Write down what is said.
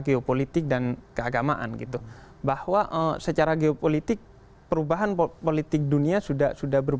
geopolitik dan keagamaan gitu bahwa secara geopolitik perubahan politik dunia sudah sudah berubah